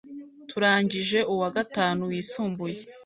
Turangije uwa gatanu wisumbuye